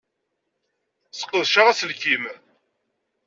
Sseqdaceɣ aselkim.